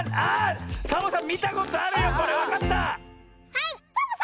はいサボさん！